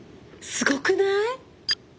すごくない？